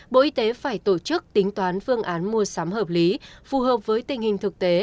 bộ y tế phải tổ chức tính toán phương án mua sắm hợp lý phù hợp với tình hình thực tế